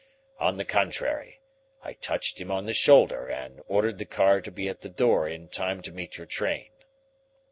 On the contrary, I touched him on the shoulder and ordered the car to be at the door in time to meet your train.